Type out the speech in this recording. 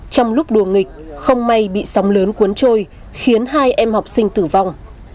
trong lúc đùa nghịch không may bị sóng lớn cuốn trôi khiến hai em học sinh tử vong